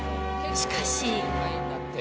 しかし。